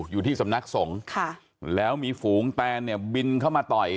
อยู่ที่สำนักสงฆ์ค่ะแล้วมีฝูงแตนเนี่ยบินเข้ามาต่อย